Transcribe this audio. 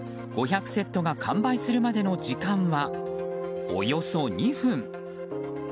５００セットが完売するまでの時間は、およそ２分。